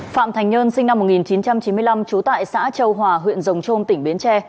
phạm thành nhơn sinh năm một nghìn chín trăm chín mươi năm trú tại xã châu hòa huyện rồng trôm tỉnh bến tre